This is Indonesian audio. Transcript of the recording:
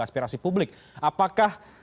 aspirasi publik apakah